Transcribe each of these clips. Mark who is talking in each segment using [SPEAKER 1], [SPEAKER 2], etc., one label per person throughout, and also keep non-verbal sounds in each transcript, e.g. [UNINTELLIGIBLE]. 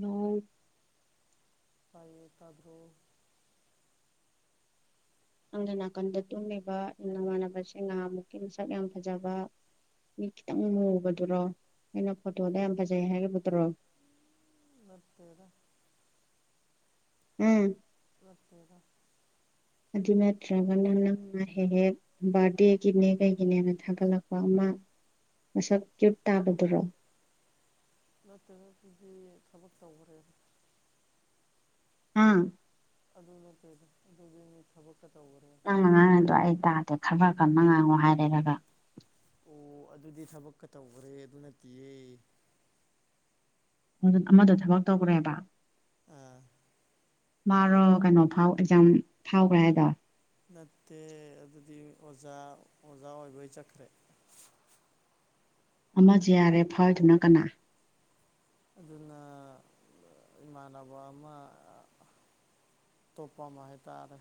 [SPEAKER 1] ꯅꯣꯡ
[SPEAKER 2] ꯇꯥꯏꯌꯣ ꯇꯥꯕ꯭ꯔꯣ
[SPEAKER 1] ꯅꯪꯗ ꯅꯥꯀꯟꯗ ꯇꯨꯝꯃꯤꯕ ꯏ ꯅꯃꯥꯟꯅꯕꯁꯤꯡ ꯉꯍꯥꯃꯨꯛꯀꯤ ꯃꯁꯛ ꯌꯥꯝ ꯐꯖꯕ ꯃꯤ ꯈꯤꯇꯪ ꯃꯨꯕꯗꯨꯔꯣ ꯑꯩꯅ ꯐꯣꯇꯣꯗ ꯌꯥꯝ ꯐꯖꯩ ꯍꯥꯏꯈꯤꯕꯗꯨꯔꯣ
[SPEAKER 2] ꯅꯠꯇꯦꯗ
[SPEAKER 1] ꯎꯝ
[SPEAKER 2] ꯂꯇꯗ
[SPEAKER 1] ꯑꯗꯨ ꯅꯠꯇ꯭ꯔꯒꯅ ꯅꯪꯅ ꯍꯦꯛ ꯍꯦꯛ ꯕꯥꯔꯗꯦꯒꯤꯅꯦ ꯀꯩꯒꯤꯅꯦꯅ ꯊꯥꯒꯠꯂꯛꯄ ꯑꯃ ꯃꯁꯛ ꯀ꯭ꯌꯨꯠ ꯇꯥꯕꯗꯨꯔꯣ
[SPEAKER 2] ꯅꯠꯇ꯭ꯔꯅ ꯑꯗꯨꯗꯤ ꯊꯕꯛ ꯇꯧꯈꯔꯦꯕ
[SPEAKER 1] ꯑꯥ
[SPEAKER 2] ꯑꯗꯨ ꯅꯠꯇ ꯑꯗꯨꯒꯤ ꯊꯕꯛ
[SPEAKER 1] ꯑꯪ ꯑꯉꯥꯡ ꯑꯗꯣ ꯑꯩ ꯇꯥꯗꯦ ꯈꯕꯔ ꯀꯟꯅ ꯉꯥꯡꯉꯣ ꯍꯥꯏꯔꯦꯔꯒ
[SPEAKER 2] ꯑꯣ ꯑꯗꯨꯗꯤ ꯊꯕꯛꯀ ꯇꯧꯈ꯭ꯔꯦ ꯑꯗꯨ ꯅꯠꯇꯌꯦ
[SPEAKER 1] ꯑꯗꯨ ꯑꯃꯗ ꯊꯕꯛ ꯇꯧꯈ꯭ꯔꯦꯕ
[SPEAKER 2] ꯑꯥ
[SPEAKER 1] ꯃꯥꯔꯣ ꯀꯩꯅꯣ ꯐꯥꯎ ꯑꯦꯛꯖꯥꯝ ꯐꯥꯎꯈ꯭ꯔꯦ ꯍꯥꯏꯗ
[SPEAKER 2] ꯅꯠꯇꯦ ꯑꯗꯨꯗꯤ ꯑꯣꯖꯥ ꯑꯣꯖꯥ ꯑꯣꯏꯕꯩ ꯆꯠꯈ꯭ꯔꯦ
[SPEAKER 1] ꯑꯃꯁ ꯌꯥꯔꯦ ꯐꯜꯗꯨꯅ ꯀꯅꯥ
[SPEAKER 2] ꯑꯗꯨꯅ ꯏꯃꯥꯟꯅꯕ ꯑꯃ ꯇꯣꯄꯝ ꯍꯥꯏꯇꯥꯦ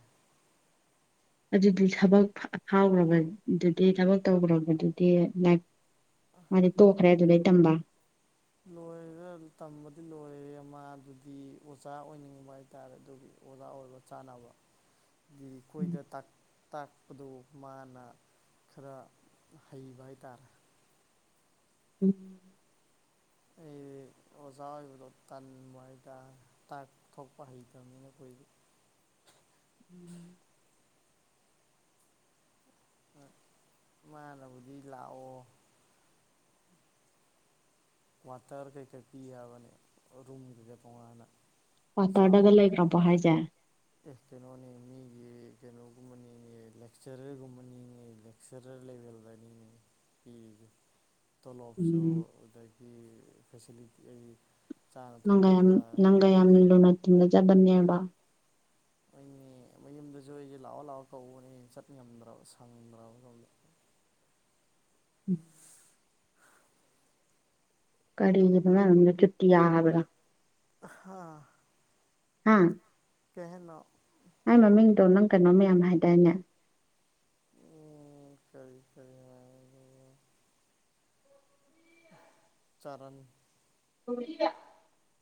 [SPEAKER 1] ꯑꯗꯨꯗꯤ ꯊꯕꯛ ꯐꯥꯎꯈ꯭ꯔꯕꯗꯨꯗꯤ ꯊꯕꯛ ꯇꯧꯈ꯭ꯔꯕꯗꯨꯗꯤ ꯂꯥꯏ ꯃꯥꯗꯤ ꯇꯣꯛꯈ꯭ꯔꯦ ꯑꯗꯨꯗꯩ ꯇꯝꯕ
[SPEAKER 2] ꯂꯣꯏꯔ ꯇꯝꯕꯗꯤ ꯂꯣꯏꯔꯦ ꯑꯃ ꯑꯗꯨꯗꯤ ꯑꯣꯖꯥ ꯑꯣꯏꯅꯤꯡꯕ ꯍꯥꯏꯇꯥꯔꯦ ꯑꯗꯨꯒꯤ ꯑꯣꯖꯥ ꯑꯣꯏꯕ ꯆꯥꯅꯕ ꯀꯣꯏꯗ ꯇꯥꯛꯄꯗꯨ ꯃꯥꯅ ꯈꯔ ꯍꯩꯕ ꯍꯥꯏꯇꯥꯔꯦ
[SPEAKER 1] ꯎꯝ
[SPEAKER 2] ꯎ ꯑꯣꯖꯥ ꯑꯣꯏꯕꯗꯣ ꯇꯟꯕ ꯍꯥꯏꯇꯥꯔꯦ ꯇꯥꯏꯄ ꯊꯣꯛꯄ ꯍꯩꯇꯕꯅꯤꯅ ꯑꯩꯈꯣꯏꯗ [INAUDIBLE]
[SPEAKER 1] ꯎꯝ
[SPEAKER 2] ꯃꯥꯅꯕꯨꯗ ꯂꯥꯛꯣ ꯋꯥꯇꯔ ꯀꯩꯀꯩ ꯄꯤ ꯌꯥꯕꯅꯦ ꯔꯨꯝꯗꯨꯗ ꯇꯣꯉꯥꯟꯅ
[SPEAKER 1] ꯀꯋꯥꯇꯔꯗꯒ
[SPEAKER 2] ꯆꯥꯎꯅ
[SPEAKER 1] ꯂꯩꯈ꯭ꯔꯕ ꯍꯥꯏꯖꯦ
[SPEAKER 2] ꯑꯦ ꯀꯩꯅꯣꯅꯤ ꯃꯤꯒꯤ ꯀꯩꯅꯣꯒꯨꯝꯕꯅꯤꯅꯦ ꯂꯦꯛꯆꯔꯔꯒꯨꯝꯕ ꯅꯤꯅꯦ ꯂꯦꯛꯆꯔꯔ ꯂꯩꯕ [UNINTELLIGIBLE] ꯇꯣꯂꯣꯞꯁꯨ
[SPEAKER 1] ꯎꯝ
[SPEAKER 2] ꯑꯗꯒꯤ ꯐꯦꯁꯤꯂꯤꯇꯤ ꯑꯩ ꯆꯥꯅ
[SPEAKER 1] ꯅꯪꯒ ꯌꯥꯝꯝ
[SPEAKER 2] ꯊꯛꯅꯕ
[SPEAKER 1] ꯅꯪꯒ ꯌꯥꯝꯝ ꯂꯨꯅ ꯇꯤꯅꯖꯕꯅꯦꯕ꫰꫰
[SPEAKER 2] ꯍꯣꯏꯃꯦ ꯃꯌꯨꯝꯗꯁꯨ ꯑꯩꯖꯦ ꯂꯥꯛꯑꯣ ꯂꯥꯛꯑꯣ ꯀꯧꯕꯅꯦ ꯆꯠ ꯉꯝꯗꯔ꯭ꯕ ꯁꯪꯗꯔ꯭ꯕ ꯁꯣꯝꯗ
[SPEAKER 1] ꯎꯝ ꯀꯔꯤꯒꯤꯅꯣ ꯃꯥꯒꯤ ꯃꯃꯤꯡꯗꯣ ꯆꯨꯇꯤꯌꯥ ꯍꯥꯏꯕ꯭ꯔ
[SPEAKER 2] ꯍꯥ
[SPEAKER 1] ꯑꯥ
[SPEAKER 2] ꯀꯩ ꯍꯥꯏꯅꯣ
[SPEAKER 1] ꯃꯥꯏ ꯃꯃꯤꯡꯗꯣ ꯅꯪ ꯀꯩꯅꯣ ꯃꯌꯥꯝ ꯍꯥꯏꯗꯥꯏꯅꯦ
[SPEAKER 2] ꯎꯝ ꯁꯔꯤ ꯁꯔꯤ ꯍꯥꯏ ꯆꯔꯅ
[SPEAKER 1] [UNINTELLIGIBLE]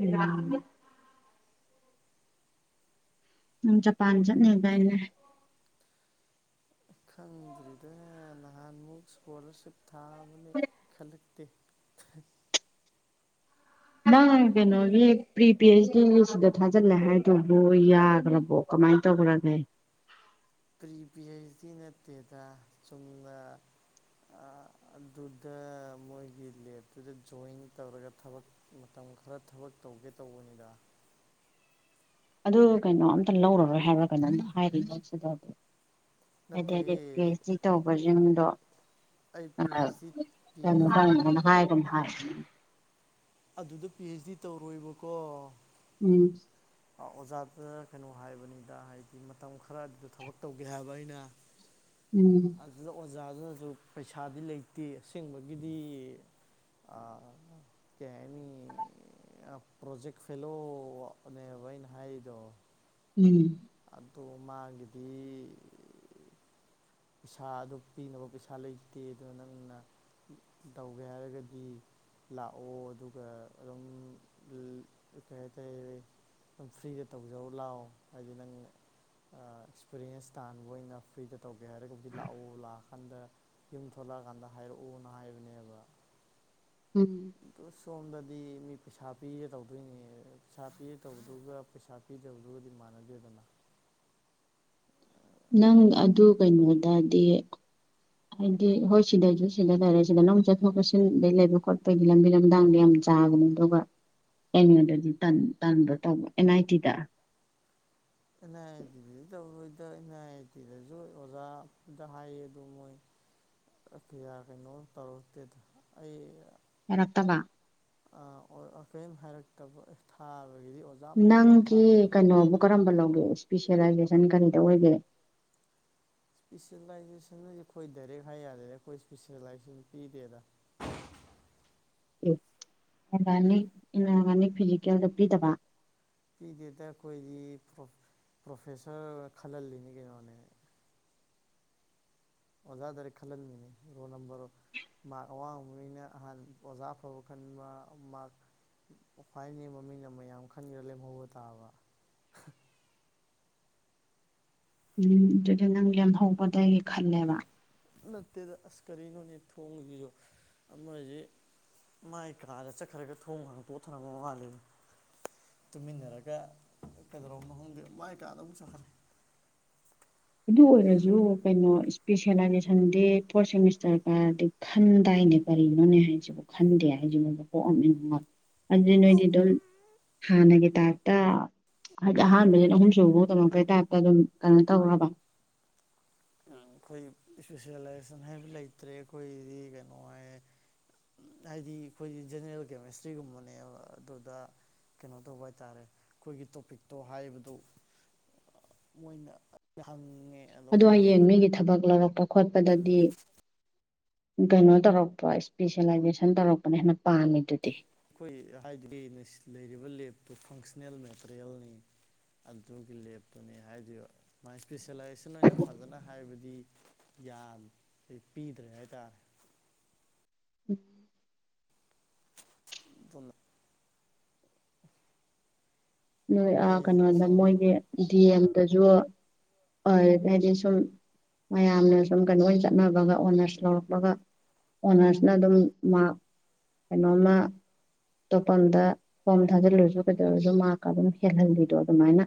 [SPEAKER 1] ꯎ [UNINTELLIGIBLE] ꯅꯡ ꯖꯄꯥꯟ ꯆꯠꯅꯤ ꯍꯥꯏꯕꯗꯥꯏꯅꯦ
[SPEAKER 2] ꯈꯪꯗ꯭ꯔꯤꯗ ꯅꯍꯥꯟꯃꯨꯛ ꯏꯁꯀꯣꯂꯥꯔꯁꯤꯞ ꯊꯥꯕꯅꯦ ꯈꯂ [UNINTELLIGIBLE]
[SPEAKER 1] ꯅꯪ ꯀꯩꯅꯣꯒꯤ ꯄ꯭ꯔꯤ ꯄꯤ ꯑꯩꯩꯆ ꯗꯤ ꯁꯤꯗ ꯊꯥꯖꯤꯜꯂꯦ ꯍꯥꯏꯗꯨꯕꯨ ꯌꯥꯈ꯭ꯔꯕꯣ ꯃꯥꯏ ꯇꯣ ꯄꯨꯔꯒꯦ
[SPEAKER 2] ꯄ꯭ꯔꯤꯚꯤ ꯍꯆ ꯗꯤ ꯅꯠꯇꯦꯗ ꯆꯨꯝꯅ ꯑ ꯑꯗꯨꯗ ꯃꯣꯏꯒꯤꯜꯂꯤ ꯑꯗꯨꯗ ꯖꯣꯏꯟ ꯇꯧꯔꯒ ꯊꯕꯛ ꯃꯇꯝ ꯄ ꯈꯔ ꯊꯕꯛ ꯇꯧꯒꯦ ꯇꯧꯕꯅꯤꯗ
[SPEAKER 1] ꯑꯗꯨ ꯀꯩꯅꯣ ꯑꯝꯇ ꯂꯧꯔꯔꯣꯏ ꯍꯥꯏꯕ꯭ꯔꯥ ꯀꯩꯅꯣꯝꯇ ꯍꯥꯏꯔꯤ ꯁꯤꯗꯗꯤ ꯍꯥꯏꯗꯤ ꯍꯥꯏꯗꯤ
[SPEAKER 2] ꯅꯠꯇꯦꯍꯦ
[SPEAKER 1] ꯄꯤ ꯑꯩꯆ ꯗꯤ ꯇꯧꯕꯁꯤꯡꯗꯣ
[SPEAKER 2] ꯑꯩ ꯄꯤ ꯍꯩꯆ ꯗꯤ ꯄꯤ
[SPEAKER 1] ꯍꯥꯏ
[SPEAKER 2] ꯍꯩꯆ ꯗꯤ
[SPEAKER 1] ꯍꯥꯏ
[SPEAKER 2] ꯑꯗꯨꯗ ꯄꯤ ꯍꯩꯆ ꯗꯤ ꯇꯧꯔꯣꯏꯕꯀꯣ
[SPEAKER 1] ꯎꯝ
[SPEAKER 2] ꯑꯣꯖꯥꯗ ꯀꯩꯅꯣ ꯍꯥꯏꯕꯅꯤꯗ ꯍꯥꯏꯗꯤ ꯃꯇꯝ ꯈꯔ ꯑꯗꯨꯗ ꯊꯕꯛ ꯇꯧꯒꯦ ꯍꯥꯏꯕ ꯑꯩꯅ
[SPEAKER 1] ꯎꯝ
[SPEAKER 2] ꯑꯣꯖꯥꯁꯤꯅꯁꯨ ꯄꯩꯁꯥꯗꯤ ꯂꯩꯇꯦ ꯑꯁꯦꯡꯕꯒꯤꯗꯤ ꯑ ꯀ ꯑꯦꯅꯤ ꯄ꯭ꯔꯣꯖꯦꯦꯛ ꯐꯦꯂꯣ ꯑꯣꯕꯣꯏꯅ ꯍꯥꯏ ꯍꯥꯏꯗꯣ
[SPEAKER 1] ꯎꯝ
[SPEAKER 2] ꯑꯗꯣ ꯃꯥꯒꯤꯗꯤ ꯄꯩꯁꯥ ꯑꯗꯨ ꯄꯤꯅꯕ ꯄꯩꯁꯥ ꯂꯩꯇꯦ ꯑꯗꯨꯅ ꯅꯪꯅ ꯇꯧꯒꯦ ꯍꯥꯏꯔꯒꯗꯤ ꯂꯥꯛꯑꯣ ꯑꯗꯨꯒ ꯑꯗꯨꯝ ꯀꯩꯇꯥꯔ ꯑꯗꯨꯝ ꯐ꯭ꯔꯤꯗ ꯇꯧꯖꯔ ꯂꯥꯛꯑꯣ ꯍꯥꯏꯗꯤ ꯅꯪ ꯑꯦꯛꯁꯄꯤꯔꯤꯌꯦꯟꯁ ꯇꯥꯟꯕ ꯑꯣꯏꯅ ꯐ꯭ꯔꯤꯗ ꯇꯧꯕ ꯀꯩ ꯍꯥꯏꯔꯒꯕꯨꯗꯤ ꯂꯥꯛꯑꯣ ꯂꯥꯛꯑꯀꯥꯟꯗ ꯌꯨꯝ ꯊꯣꯛꯂꯛꯑꯀꯥꯟꯗ ꯍꯥꯏꯔꯛꯑꯣꯅ ꯍꯥꯏꯕꯅꯦꯕ [UNINTELLIGIBLE]
[SPEAKER 1] ꯎꯝ
[SPEAKER 2] ꯑꯗꯣ ꯁꯣꯝꯗꯗꯤ ꯃꯤ ꯄꯩꯁꯥ ꯄꯤꯔꯦ ꯇꯧꯗꯣꯏꯅꯦ ꯄꯩꯁꯥ ꯄꯤꯔꯦ ꯇꯧꯕꯗꯨꯒ ꯄꯩꯁꯥ ꯄꯤꯗꯕꯗꯨꯒꯗꯤ ꯃ ꯅꯥꯗꯦꯗꯅ
[SPEAKER 1] ꯅꯪ ꯑꯗꯨ ꯀꯩꯅꯣꯗꯗꯤ ꯍꯥꯏꯗꯤ ꯍꯣꯏ ꯁꯤꯗꯩꯁꯨ ꯁꯤꯗ ꯂꯩꯔꯦ ꯁꯤꯗ ꯅꯪ ꯆꯠꯊꯣꯛ ꯆꯠꯁꯤꯟꯗꯩ ꯂꯩꯕ ꯈꯣꯠꯄꯩꯗꯤ ꯂꯝꯕꯤ ꯂꯝꯗꯥꯡꯗꯤ ꯌꯥꯝ ꯆꯥꯕꯅꯤ ꯑꯗꯨꯒ ꯑꯦ ꯑꯦꯗꯗꯤ ꯇ ꯇ ꯑꯦꯟ ꯑꯥꯏ ꯇꯤꯗ
[SPEAKER 2] [INAUDIBLE] ꯑꯩꯅ ꯑꯇꯦꯗꯁꯨ ꯑꯣꯖꯥꯗ ꯍꯥꯏꯌꯦ ꯑꯗꯨ ꯃꯣꯏ ꯌꯥ ꯀꯩꯅꯣ ꯇꯧꯔꯛꯇꯦꯗ ꯑꯩ
[SPEAKER 1] ꯌꯥꯔꯛꯇꯕ
[SPEAKER 2] ꯑ ꯑꯣꯝ ꯍꯥꯏꯔ ꯊꯥ
[SPEAKER 1] ꯅꯪꯒꯤ ꯀꯩꯅꯣꯕꯨ ꯀꯔꯝꯕ ꯂꯧꯅꯣ ꯏꯁꯄꯤꯁꯦꯂꯥꯏꯖꯦꯁꯟ ꯀꯔꯤꯗ ꯑꯣꯏꯒꯦ
[SPEAKER 2] ꯏꯁꯄꯤꯁꯦꯂꯥꯏꯖꯦꯁꯟꯖꯤ ꯑꯩꯈꯣꯏ ꯗꯥꯏꯔꯦꯛ ꯍꯥꯏ ꯌꯥꯔꯦꯗ ꯑꯩꯈꯣꯏ ꯏꯁꯄꯤꯁꯦꯂꯥꯏꯖꯦꯁꯟ ꯄꯤꯗꯦꯗ [UNINTELLIGIBLE]
[SPEAKER 1] ꯒꯥꯅꯤ ꯏꯔꯒꯥꯅꯤꯛ ꯐꯤꯖꯤꯀꯦꯜꯗ ꯄꯤꯗꯕ
[SPEAKER 2] ꯄꯤꯗꯦꯗ ꯑꯩꯈꯣꯏꯗꯤ ꯄ꯭ꯔꯣꯐꯦꯁꯔ ꯈꯜꯍꯜꯂꯤꯅꯤ ꯀꯩꯅꯣꯅꯦ ꯑꯣꯖꯥꯗꯔꯦ ꯈꯜꯟꯅꯤꯅꯤ ꯔꯣꯜ ꯅꯝꯕꯝꯕꯔ ꯃꯥꯔ ꯑꯋꯥꯡꯕꯩꯅ ꯑꯍꯥꯟ ꯑꯣꯖꯥ ꯐꯕ ꯈꯟꯕ ꯃꯥꯔ ꯈ꯭ꯋꯥꯏꯅꯤ ꯃꯃꯤꯡꯅ ꯃꯌꯥꯝ ꯈꯟꯈꯔ ꯂꯦꯝꯍꯧꯕ ꯇꯥꯕ
[SPEAKER 1] ꯎꯝ ꯑꯗꯨꯗꯤ ꯅꯪ ꯂꯦꯝꯍꯧꯕꯗꯒꯤ ꯈꯜꯂꯦꯕ
[SPEAKER 2] ꯅꯠꯇꯦꯗ ꯑꯁ ꯀꯔꯤꯅꯣꯅꯦ ꯊꯣꯡꯁꯤꯁꯨ ꯑꯃꯁꯤ ꯃꯥꯏ ꯀꯥꯗ ꯆꯠꯈ꯭ꯔꯒ ꯊꯣꯡꯉꯒ ꯄꯣꯊꯅꯕ ꯃꯥꯂꯦ ꯇꯨꯃꯤꯟꯅꯔꯒ ꯀꯩꯗꯧꯔꯧꯕ ꯃꯪꯗꯦ ꯃꯥꯏ ꯀꯥꯗ ꯑꯃꯨꯛ ꯆꯠꯈꯅꯤ
[SPEAKER 1] ꯑꯗꯨ ꯑꯣꯏꯔꯁꯨ ꯀꯩꯅꯣ ꯏꯁꯄꯤꯦꯁꯦꯂꯥꯏꯖꯦꯁꯟꯗꯤ ꯐꯣꯔꯠ ꯁꯦꯃꯤꯁꯇꯔꯒꯗꯤ ꯈꯟꯗꯥꯏ ꯀꯅꯦ ꯀꯔꯤꯅꯣꯅꯦ ꯍꯥꯏꯁꯤꯕꯨ ꯈꯟꯗꯦ ꯍꯥꯏꯁꯤꯃꯗ ꯄꯣꯛꯑꯝꯃꯤ ꯑꯗꯨꯗꯤ ꯅꯣꯏꯗꯤ ꯑꯗꯨꯝ ꯍꯥꯟꯅꯒꯤ ꯇꯥꯛꯇ ꯍꯥꯏꯗꯤ ꯑꯍꯥꯟꯕꯁꯤꯅ ꯑꯍꯨꯝꯁꯨꯨꯕ ꯐꯥꯎꯗꯃꯛꯄꯩ ꯇꯥꯏꯞꯇ ꯑꯗꯨꯝ ꯀꯩꯅꯣ ꯇꯧꯈꯕ
[SPEAKER 2] ꯑꯩꯈꯣꯏ ꯏꯁꯄꯤꯦꯁꯦꯂꯥꯏꯖꯦꯁꯟ ꯍꯥꯏꯕ ꯂꯩꯇ꯭ꯔꯦ ꯑꯩꯈꯣꯏꯗꯤ ꯀꯩꯅꯣ ꯍꯥꯏ ꯍꯥꯏꯗꯤ ꯑꯩꯈꯣꯏꯒꯤ ꯖꯦꯅꯦꯔꯦꯜ ꯀꯦꯃꯤꯁꯇ꯭ꯔꯤꯒꯨꯝꯕꯅꯦꯕ ꯑꯗꯨꯗ ꯀꯩꯅꯣ ꯇꯧꯕ ꯍꯥꯏꯇꯥꯔꯦ ꯑꯩꯈꯣꯏꯒꯤ ꯇꯣꯄꯤꯛꯇꯣ ꯍꯥꯏꯕꯗꯨ ꯃꯣꯏꯅ ꯍꯪ
[SPEAKER 1] ꯑ ꯍꯌꯦꯡ ꯃꯤꯒꯤ ꯊꯕꯛ ꯂꯧꯔꯛꯄ ꯈꯣꯠꯄꯗꯗꯤ ꯀꯩꯅꯣ ꯇꯧꯔꯛꯄ ꯏꯁꯄꯤꯁꯦꯂꯥꯏꯖꯦꯁꯟ ꯇꯧꯔꯛꯄꯅ ꯍꯦꯟꯅ ꯄꯥꯝꯃꯦ ꯑꯗꯨꯗꯤ
[SPEAKER 2] ꯑꯩꯈꯣꯏ ꯍꯥꯏꯗꯤ ꯂꯩꯔꯤꯕ ꯂꯦꯞꯇꯨ ꯐꯪꯁꯟꯅꯜ ꯃꯦꯇꯔꯤꯌꯦꯜꯅꯤ ꯑꯗꯨꯒꯤ ꯂꯦꯞꯇꯨꯅꯦ ꯍꯥꯏꯗ ꯃꯥꯥꯏ ꯏꯁꯄꯤꯁꯦꯂꯥꯏꯖꯦꯁꯟ ꯑꯣꯏꯅ ꯐꯖꯅ ꯍꯥꯏꯕꯗꯤ ꯌꯥ ꯄꯤꯗ꯭ꯔꯦ ꯍꯥꯏꯇꯥꯔꯦ
[SPEAKER 1] ꯎꯝ
[SPEAKER 2] ꯑꯗꯨ
[SPEAKER 1] ꯅꯣꯏ
[SPEAKER 2] ꯑꯩꯁꯦ
[SPEAKER 1] ꯀꯩꯅꯣꯗ
[SPEAKER 2] ꯁꯣꯝ
[SPEAKER 1] ꯃꯣꯏꯒꯤ ꯗꯤ ꯑꯦꯝꯗꯁꯨ ꯍꯗꯁꯝ ꯃꯌꯥꯝꯅ ꯁꯨꯝ ꯀꯩꯅꯣ ꯑꯣꯏꯅ ꯆꯠꯅꯕꯒ ꯑꯣꯅꯔꯁ ꯂꯧꯔꯛꯄꯒ ꯑꯣꯅꯔꯁꯅ ꯑꯗꯨꯝ ꯀꯩꯅꯣꯝꯃ ꯑꯇꯣꯞꯄꯗ ꯍꯣꯝ ꯊꯥꯖꯤꯜꯂꯨꯔꯁꯨ ꯀꯩꯗꯧꯔꯁꯨ ꯃꯥꯀ ꯑꯗꯨꯝ ꯍꯦꯜꯍꯜꯂꯤꯗꯣ ꯑꯗꯨꯃꯥꯏꯅ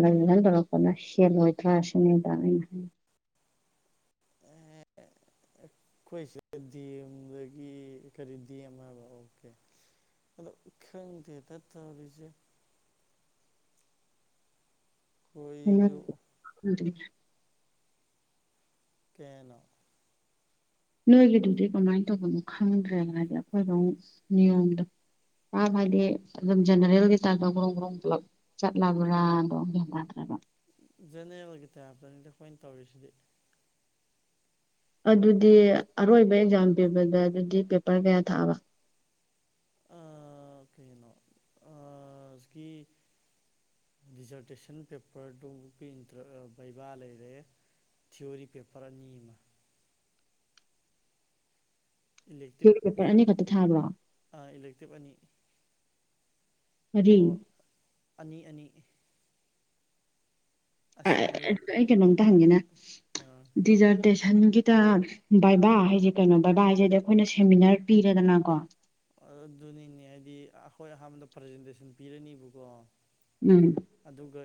[SPEAKER 1] ꯁꯂ ꯀꯅ ꯁꯤꯂꯣꯏ ꯊꯁ ꯔ
[SPEAKER 2] ꯍ ꯑꯩꯈꯣꯏꯁꯦ ꯗꯤꯦꯝꯗꯒꯤ ꯀꯔꯤ ꯗꯤꯦꯝ ꯍꯥꯏꯕ ꯑꯣꯀꯦ ꯑ ꯈꯪꯗ ꯇ ꯇꯕꯤꯁꯦ ꯑꯩꯈꯣꯏꯁꯨ
[SPEAKER 1] ꯎꯝ
[SPEAKER 2] ꯀꯦꯅ
[SPEAKER 1] ꯅꯣꯏꯒꯤꯗꯨꯗꯤ ꯀꯃꯥꯏꯅ ꯇꯧꯕꯅꯣ ꯈꯪꯗ꯭ꯔꯦꯅ ꯍꯥꯏꯗꯤ ꯑꯩꯈꯣꯏꯕ ꯅꯤꯌꯣꯝꯗꯣ ꯑ ꯍꯥꯏꯗꯤ ꯑꯗꯨꯝ ꯖꯦꯅꯦꯔꯦꯜꯒꯤ ꯇꯥꯏꯇ ꯒ꯭ꯔꯣꯡ ꯒ꯭ꯔꯣꯡ ꯄꯨꯂꯞ ꯆꯠꯂꯕ꯭ꯔꯥꯗꯣꯗ꯭ꯔꯦꯕ
[SPEAKER 2] ꯖꯦꯅꯦꯔꯦꯜꯒꯤ ꯇꯇꯅꯤꯗ ꯑꯩꯣꯏꯅ ꯇꯧꯔꯤꯁꯤꯗꯤ
[SPEAKER 1] ꯑꯗꯨꯗꯤ ꯑꯔꯣꯏꯕ ꯑꯦꯛꯖꯥꯝ ꯄꯤꯕꯗ ꯑꯗꯨꯗꯤ ꯄꯦꯄꯔ ꯀꯌꯥ ꯊꯥꯕ
[SPEAKER 2] ꯑ ꯀꯩꯅꯣ ꯑ ꯗꯤꯖꯔꯇꯦꯁꯟ ꯄꯦꯄꯔꯗꯨꯒꯤ ꯕꯩꯕꯥ ꯂꯩꯔꯦ ꯊꯤꯌꯑꯣꯔꯤ ꯄꯦꯄꯔ ꯑ ꯅꯤꯃ ꯏꯂꯦꯛꯇꯤꯞ
[SPEAKER 1] ꯊꯤꯑꯣꯔꯤ ꯄꯦꯄꯔ ꯑꯅꯤꯈꯛꯇ ꯊꯥꯕ꯭ꯔꯣ
[SPEAKER 2] ꯏꯂꯦꯛꯇꯤꯞ ꯑꯅꯤ
[SPEAKER 1] ꯃꯔꯤ
[SPEAKER 2] ꯑꯣ ꯑꯅꯤ ꯑꯅꯤ ꯑꯁꯦꯡꯕꯩ
[SPEAKER 1] ꯑꯩ ꯀꯩꯅꯣꯝꯇ ꯍꯪꯒꯦꯅ
[SPEAKER 2] ꯀꯩꯅꯣ
[SPEAKER 1] ꯗꯤꯖꯔꯇꯦꯁꯟ ꯃꯊꯟꯒꯤꯗ ꯕꯥꯏꯕꯥ ꯍꯥꯏꯁꯦ ꯀꯩꯅꯣ ꯕꯥꯏꯕꯥ ꯍꯥꯏꯁꯦꯗꯤ ꯑꯩꯈꯣꯏꯅ ꯁꯦꯃꯤꯅꯥꯔ ꯄꯤꯔꯦꯗꯅꯀꯣ
[SPEAKER 2] ꯑꯗꯨꯅꯤꯅꯦ ꯍꯥꯏꯗꯤ ꯑꯩꯈꯣꯏ ꯑꯍꯥꯟꯕꯗ ꯄ꯭ꯔꯖꯦꯟꯇꯦꯁꯟ ꯄꯤꯔꯅꯤꯕꯀꯣ
[SPEAKER 1] ꯎꯝ
[SPEAKER 2] ꯑꯗꯨꯒ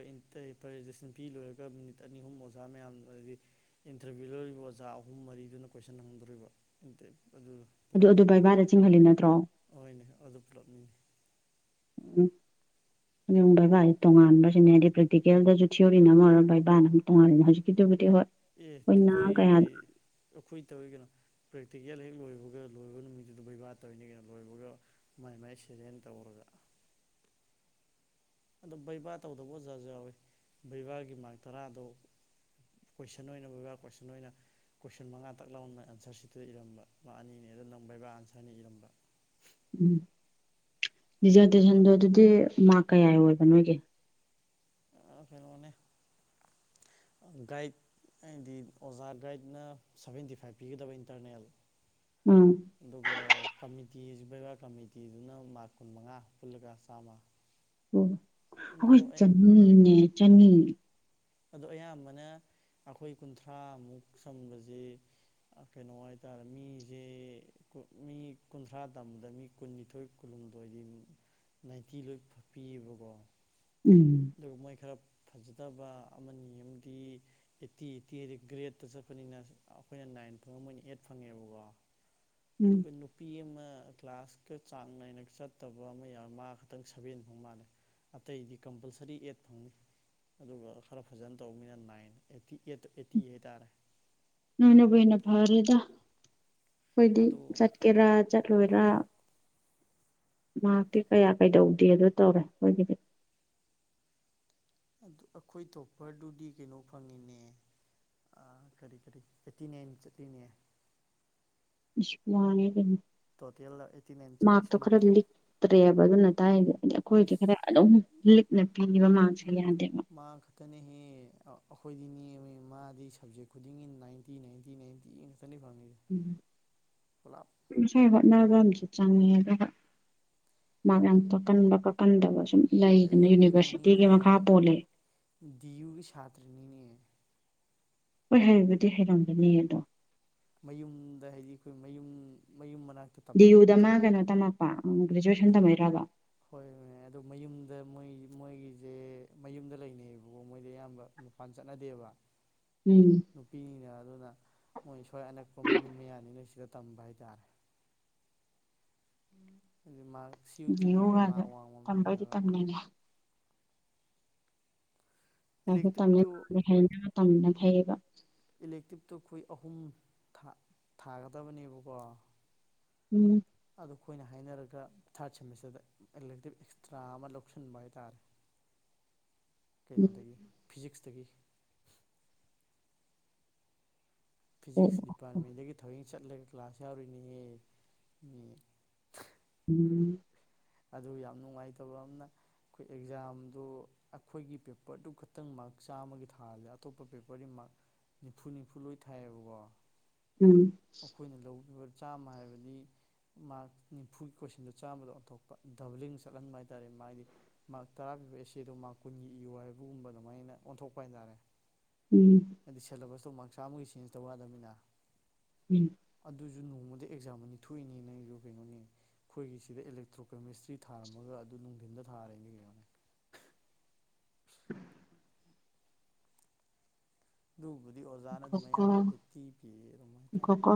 [SPEAKER 2] ꯄ꯭ꯔꯖꯦꯟꯇꯦꯁꯟ ꯄꯤ ꯂꯣꯏꯔꯒ ꯃꯤꯅꯤꯠ ꯑꯅꯤ ꯑꯍꯨꯝ ꯑꯣꯖꯥ ꯃꯌꯥꯝ ꯍꯥꯏꯗꯤ ꯏꯟꯇꯔꯚꯤꯌꯨ ꯂꯧꯔꯤꯕ ꯑꯣꯖꯥ ꯑꯍꯨꯝ ꯃꯔꯤꯗꯨꯅ ꯀꯣꯏꯁꯟ ꯍꯪꯗꯣꯔꯤꯕꯟꯇ
[SPEAKER 1] ꯑꯗꯨ ꯑꯗꯨ ꯕꯥꯏꯕꯥꯗ ꯆꯤꯡꯍꯜꯂꯤ ꯅꯠꯇ꯭ꯔꯣ
[SPEAKER 2] ꯍꯣꯏꯅꯦ ꯑꯗꯨ ꯄꯨꯂꯞꯅꯤꯅꯦ
[SPEAKER 1] ꯎꯝ ꯑꯗꯨ ꯕꯩꯕꯥꯁꯦ ꯇꯣꯉꯥꯟꯕꯁꯤꯅꯦ ꯍꯥꯏꯗꯤ ꯄ꯭ꯔꯦꯛꯇꯤꯀꯦꯜꯗꯁꯨ ꯊꯤꯑꯣꯔꯤꯅ ꯑꯃ ꯑꯣꯏꯔꯒ ꯕꯕꯥꯅ ꯑꯃꯝ ꯇꯣꯡꯉꯥꯜꯂꯤ ꯍꯧꯖꯤꯛꯀꯤꯗꯨꯕꯨꯗꯤ ꯍꯣꯏ
[SPEAKER 2] ꯑꯦ ꯑꯩꯈꯣꯏ
[SPEAKER 1] ꯑꯩꯈꯣꯏꯅ ꯀꯌꯥꯗ
[SPEAKER 2] ꯑꯩꯈꯣꯏ ꯇꯧꯤ ꯀꯅꯣ ꯄ꯭ꯔꯦꯛꯇꯤꯀꯦꯜ ꯍꯦꯛ ꯂꯣꯏꯕꯒ ꯂꯣꯏꯕ ꯅꯨꯃꯤꯠꯇꯨꯗ ꯕꯩꯕꯥꯔ ꯇꯧꯔꯤꯅꯤ ꯀꯩꯅꯣ ꯂꯣꯏꯕꯒ ꯃꯥꯏ ꯃꯥꯏ ꯁꯦꯔꯦꯟ ꯇꯧꯔꯒ [UNINTELLIGIBLE] ꯑꯗꯣ ꯕꯩꯕꯥ ꯇꯧꯗꯕ ꯑꯣꯖꯥꯁꯨ ꯌꯥꯎꯋꯤ ꯕꯩꯕꯥꯒꯤ ꯃꯥꯔꯛ ꯇꯔꯥꯗꯣ ꯀꯣꯏꯁꯟ ꯑꯣꯏꯅ ꯕꯕꯥ ꯀꯣꯏꯁꯟ ꯑꯣꯏꯅ ꯀꯣꯏꯁꯟ ꯃꯉꯥ ꯇꯛ ꯂꯧꯅ ꯑꯟꯁꯔꯁꯤꯗ ꯏꯔꯝꯕ ꯃꯥ ꯑꯅꯤꯅꯤ ꯑꯗꯨ ꯅꯪꯕꯩꯕꯥ ꯑꯟꯁꯔꯅꯤ ꯏꯔꯝꯕ
[SPEAKER 1] ꯎꯝ ꯔꯤꯖꯥꯔꯇꯦꯁꯟꯗꯣ ꯑꯗꯨꯗꯤ ꯃꯥꯔ ꯀꯌꯥ ꯑꯣꯏꯕ ꯅꯣꯏꯒꯤ
[SPEAKER 2] ꯐꯩꯅ ꯃꯅꯤꯅꯦ ꯥꯏꯠ ꯑꯩꯗꯤ ꯑꯣꯖꯥ ꯒꯥꯏꯗꯅ ꯁꯚꯦꯟꯇꯤ ꯐꯥꯏꯚ ꯄꯤꯒꯗꯕ ꯏꯟꯇꯔꯅꯦꯜ
[SPEAKER 1] ꯎꯝ
[SPEAKER 2] ꯑꯗꯨꯒꯒ ꯐꯃꯤ ꯤ ꯕꯦꯕꯥ ꯀꯃꯤꯇꯤꯗꯨꯅ ꯃꯥꯔꯛ ꯀꯨꯟ ꯃꯉꯥ ꯄꯨꯜꯂꯒ ꯆꯥꯝꯃ
[SPEAKER 1] ꯑꯣ
[SPEAKER 2] ꯑꯗꯣ
[SPEAKER 1] ꯑꯩꯈꯣꯏ
[SPEAKER 2] ꯑꯩ
[SPEAKER 1] ꯆꯅꯤꯅꯦ ꯆꯅꯤ
[SPEAKER 2] ꯑꯣ ꯑꯌꯥꯝꯕꯅ ꯑꯩꯈꯣꯏ ꯀꯨꯟꯊ꯭ꯔꯥꯃꯨꯛ ꯁꯪꯕꯁꯤꯦ ꯀꯩꯅꯣ ꯍꯥꯏꯇꯥꯔꯦ ꯃꯤꯁꯦ ꯃꯤ ꯀꯨꯟꯊ꯭ꯔꯥ ꯇꯝꯕꯗ ꯃꯤ ꯀꯨꯟꯅꯤꯊꯣꯏ ꯀꯨ ꯗꯣ ꯑꯣꯏꯗꯤ ꯅꯥꯏꯟꯇꯤ ꯂꯣꯏ ꯐꯛꯄꯤꯑꯕꯀꯣ
[SPEAKER 1] ꯎꯝ
[SPEAKER 2] ꯑꯗꯨꯒ ꯃꯣꯏ ꯈꯔ ꯐꯖꯗꯕ ꯑꯃꯅꯤ ꯑꯃꯗꯤ ꯑꯩꯠꯇꯤ ꯑꯩꯠꯇꯤ ꯍꯥꯏꯗꯤ ꯒ꯭ꯔꯦꯠꯇ ꯆꯠꯄꯅꯤꯅ ꯑꯩꯈꯣꯏꯅ ꯅꯥꯏꯟ ꯐꯪꯉ ꯃꯣꯏꯅ ꯑꯩꯠ ꯐꯪꯉꯦꯕꯀꯣ ꯑꯗꯨ
[SPEAKER 1] ꯎꯝ
[SPEAKER 2] ꯀ ꯅꯨꯄꯤ ꯑꯃ ꯀ꯭ꯂꯥꯁꯀ ꯆꯥꯡ ꯅꯥꯏꯅ ꯆꯠꯇꯕ ꯑꯃ ꯌꯥꯎꯔ ꯃꯥ ꯈꯛꯇꯪ ꯁꯚꯦꯟ ꯐꯥꯎ ꯃꯥꯜꯂꯦ ꯑꯇꯩꯗꯤ ꯀꯝꯄꯜꯁꯔꯤ ꯑꯦꯠ ꯐꯪꯅꯤ ꯑꯗꯨꯒ ꯈꯔ ꯐꯖꯅ ꯇꯧꯕꯅꯤꯅ ꯅꯥꯏꯟ ꯑꯩꯠꯇꯤ ꯑꯩꯠꯇ ꯑꯩꯠꯇꯤ ꯍꯥꯏꯇꯥꯔꯦ
[SPEAKER 1] ꯅꯣꯏꯅꯕꯨꯅ ꯐꯔꯦꯗ ꯑꯩꯈꯣꯏꯗꯤ
[SPEAKER 2] ꯑꯗꯣ
[SPEAKER 1] ꯆꯠꯀꯦꯔꯥ ꯆꯠꯂꯣꯏꯔꯥ ꯃꯍꯥꯛꯇꯤ ꯀꯌꯥ ꯀꯩꯗꯧꯗꯦ ꯑꯗꯨ ꯇꯧꯔꯦ ꯑꯩꯣꯏꯒꯤ
[SPEAKER 2] ꯑꯗꯨ ꯑꯩꯈꯣꯏ ꯇꯣꯄꯔꯗꯨꯗꯤ ꯀꯩꯅꯣ ꯐꯪꯉꯤꯅꯦ ꯑꯥ ꯀꯔꯤ ꯀꯔꯤ ꯆꯠꯇꯤꯅꯦ ꯆꯠꯇꯅꯦ
[SPEAKER 1] ꯏꯄ
[SPEAKER 2] ꯇꯣꯇꯦꯜ ꯑꯩꯠꯇꯤ ꯅꯅꯥꯏꯟ ꯆꯜꯁꯃ
[SPEAKER 1] ꯕꯒꯅ ꯇꯥꯏꯗꯦ ꯑꯗ ꯑꯩꯈꯣꯏꯗꯤ ꯈꯔ ꯑꯗꯨꯝ ꯂꯤꯛꯅ ꯄꯤꯕ ꯃꯥꯡꯁꯦ ꯌꯥꯗꯦꯕ
[SPEAKER 2] ꯑꯩꯈꯣꯏꯗꯤꯅꯦꯦꯝ ꯃꯥꯗꯤ ꯁꯞꯖꯦꯛ ꯈꯨꯗꯤꯡꯒꯤ ꯅꯥꯏꯟꯇꯤ ꯅꯥꯏꯟꯇꯤ ꯅꯥꯏꯟꯇꯤ ꯉꯥꯛꯇꯅꯤ ꯐꯪꯉꯤꯁꯦ ꯄꯨꯂꯞ
[SPEAKER 1] [UNINTELLIGIBLE] ꯅꯥꯕ ꯑꯃꯁꯁꯤ ꯆꯪꯉꯦꯒ ꯃꯥ ꯌꯥꯝꯥꯡ ꯀꯛꯀꯟꯕ ꯀꯛꯀꯟꯗꯕꯁꯨ
[SPEAKER 2] ꯑꯦ ꯀꯩꯅꯣꯅꯤꯅꯦ
[SPEAKER 1] ꯄꯣꯜꯂꯦ
[SPEAKER 2] ꯌꯨꯒꯤ ꯁꯥꯇ꯭ꯔꯅꯤꯅꯦ
[SPEAKER 1] ꯍꯣꯏ ꯍꯩꯕꯨꯗꯤ ꯍꯩꯔꯝꯒꯅꯤ ꯑꯗꯣ
[SPEAKER 2] ꯃꯌꯨꯝꯗ ꯍꯥꯏꯗꯤ ꯑꯩꯈꯣꯏ ꯃꯌꯨꯝ ꯃꯌꯨꯝ ꯃꯅꯥꯛꯇ
[SPEAKER 1] ꯗꯤꯌꯨꯗ ꯃꯥ ꯀꯩꯅꯣ ꯇꯝꯃꯛꯄ ꯒ꯭ꯔꯦꯖꯨꯋꯦꯁꯟ
[SPEAKER 2] ꯍꯣꯏ
[SPEAKER 1] ꯇꯝꯃꯛꯏꯔꯕ
[SPEAKER 2] ꯍꯣꯏ ꯑꯗꯨ ꯃꯌꯨꯝ ꯑꯗ ꯃꯣꯏ ꯃꯣꯏꯒꯤꯁꯦ ꯃꯌꯨꯝꯗ ꯂꯩꯅꯩꯑꯌꯦꯕꯀꯣ ꯃꯣꯏꯗꯤ ꯑꯌꯥꯝꯕ ꯃꯄꯥꯟ ꯆꯠꯅꯗꯦꯕ
[SPEAKER 1] ꯎꯝ
[SPEAKER 2] ꯅꯨꯄꯤꯅꯦ ꯑꯗꯨꯅ ꯃꯣꯏ ꯁ꯭ꯋꯥꯏ ꯑꯅꯛꯄ ꯃꯌꯨꯝ ꯃꯌꯥꯅꯤꯅ ꯁꯤꯗ ꯇꯝꯕ ꯍꯥꯏꯇꯥꯔꯦ ꯃꯥ꯭ꯔꯛ ꯁꯤꯌꯨ
[SPEAKER 1] ꯗꯤ
[SPEAKER 2] ꯇꯤ ꯀꯩꯀꯩ
[SPEAKER 1] ꯌꯨꯒꯁꯦ
[SPEAKER 2] ꯃꯥ꯭ꯔꯛ ꯋꯥꯡꯕ
[SPEAKER 1] ꯇꯝꯕꯩꯗꯤ
[SPEAKER 2] ꯃꯤꯅꯦꯕ
[SPEAKER 1] ꯇꯝꯅꯤꯡꯉꯦ
[SPEAKER 2] ꯏꯂꯦꯛꯇꯤꯞꯇꯨ
[SPEAKER 1] ꯂꯥꯏꯔꯤꯛ ꯁꯦ ꯇꯝꯕꯅ ꯐꯩꯌꯦꯕ
[SPEAKER 2] ꯏꯂꯦꯛꯇꯤꯞꯇꯣ ꯑꯩꯈꯣꯏ ꯑꯍꯨꯝ ꯊꯥꯒꯗꯕꯅꯦꯕꯀꯣ
[SPEAKER 1] ꯎꯝ
[SPEAKER 2] ꯑꯗꯣ ꯑꯩꯈꯣꯏꯅ ꯍꯥꯏꯅꯔꯒ ꯊꯥ꯭ꯔꯠ ꯁꯦꯝꯃꯤꯁꯇ꯭ꯔꯗ ꯑꯦꯂꯦꯛꯇꯤꯞ ꯑꯦꯛꯁꯇ꯭ꯔꯥ ꯑꯃ ꯂꯧꯁꯤꯟꯕ ꯍꯥꯏꯇꯥꯔꯦ
[SPEAKER 1] ꯎꯝ
[SPEAKER 2] ꯀꯩꯅꯣꯗꯒꯤ ꯐꯤꯖꯤꯛꯁꯇꯒꯤ
[SPEAKER 1] ꯎꯝ
[SPEAKER 2] ꯐꯤꯖꯤꯛꯁ ꯗꯤꯄꯥꯔꯠꯃꯦꯟꯗꯒꯤ ꯊꯧ ꯑꯩ ꯆꯠꯂꯒ ꯀ꯭ꯂꯥꯁ ꯌꯥꯎꯔꯤꯅꯦꯍꯦ
[SPEAKER 1] ꯎꯝ
[SPEAKER 2] ꯑꯗꯨ ꯌꯥꯝ ꯅꯨꯡꯉꯥꯏꯇꯕ ꯑꯝꯅꯥ ꯑꯩꯈꯣꯏ ꯑꯦꯛꯖꯥꯝꯗꯨ ꯑꯩꯈꯣꯏꯒꯤ ꯄꯦꯄ꯭ꯔꯗꯨ ꯈꯛꯇꯪ ꯃꯥ꯭ꯔꯛ ꯆꯥꯝꯃꯒꯤ ꯊꯥꯁꯦ ꯑꯇꯣꯞꯄ ꯄꯦꯄ꯭ꯔꯗꯤ ꯃꯥ꯭ꯔꯛ ꯅꯤꯐꯨ ꯅꯤꯐꯨ ꯂꯣꯏ ꯊꯥꯏꯌꯦꯕꯀꯣ
[SPEAKER 1] ꯎꯝ
[SPEAKER 2] ꯑꯩꯈꯣꯏꯅ ꯂꯧꯈꯤꯕ ꯆꯥꯝꯃ ꯍꯥꯏꯕꯗꯤ ꯃꯥ꯭ꯔꯛ ꯅꯤꯐꯨꯒꯤ ꯀꯣꯏꯁꯟꯗꯣ ꯆꯥꯝꯃꯗ ꯑꯣꯟꯊꯣꯛꯄ ꯗꯕ꯭ꯂꯤꯡ ꯆꯠꯍꯟꯕ ꯍꯥꯏꯇꯥꯔꯦ ꯃꯥꯗꯤ ꯃꯥ꯭ꫪꯛ ꯇꯔꯥ ꯄꯤꯕ ꯑꯦꯁꯦꯗꯣ ꯃꯥ꯭ꯔꯛ ꯀꯨꯟꯒꯤ ꯏꯌꯨ ꯍꯥꯏꯕꯒꯨꯝꯕ ꯑꯗꯨꯃꯥꯏꯅ ꯑꯣꯟꯊꯣꯛꯄ ꯍꯥꯏꯇꯥꯔꯦ
[SPEAKER 1] ꯎꯝ
[SPEAKER 2] ꯍꯥꯏꯗꯤ ꯁꯦꯂꯦꯕꯁꯇꯣ ꯃꯥ꯭ꯔꯛ ꯆꯥꯝꯃꯒꯤ ꯆꯦꯟꯖ ꯇꯧ ꯌꯥꯗꯝ ꯅꯤꯅ
[SPEAKER 1] ꯎꯝ
[SPEAKER 2] ꯑꯗꯨꯁꯨ ꯅꯣꯡꯃꯗ ꯑꯦꯛꯖꯥꯝ ꯑꯅꯤ ꯊꯣꯛꯏꯅꯦ ꯅ ꯑꯩꯁꯨ ꯀꯩꯅꯣꯅꯦ ꯑꯩꯈꯣꯏꯒꯤ ꯁꯤꯗ ꯑꯦꯂ ꯇ꯭ꯔꯣꯀꯦꯃꯤꯁꯇ꯭ꯔꯤ ꯊꯥꯔꯝꯃꯒ ꯑꯗꯨ ꯅꯨꯡꯊꯤꯟꯗ ꯊꯥꯔꯦꯅꯦ ꯀꯩꯅꯣ ꯑꯗꯨꯕꯨꯗꯤ ꯑꯣꯖꯥꯅ ꯑꯗꯨꯝ
[SPEAKER 1] ꯉꯥꯏꯈꯣꯀꯣ
[SPEAKER 2] ꯑꯌꯥꯝꯕ ꯑꯩꯠꯇꯤ ꯄꯤꯌꯦ ꯑꯗꯨꯝ ꯍꯥꯏꯇꯥꯔꯦ
[SPEAKER 1] ꯉꯥꯏꯈꯣꯀꯣ